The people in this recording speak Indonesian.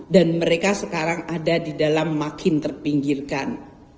dan mereka sekarang ada di dalam makin terpinggirkan